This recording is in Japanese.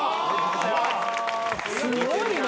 すごいな。